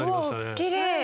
おきれい。